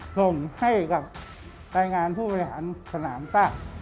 ทรงให้กับแรงงานผู้บริหารสนามซ่า